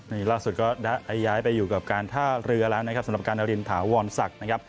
นี่ล่าสุดก็ได้ย้ายไปกินกับการท่าเรือสำหรับการอลินถาววรรณศักดิ์